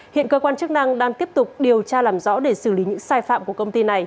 hiện cơ quan chức năng đang tiếp tục điều tra làm rõ để xử lý những sai phạm của công ty này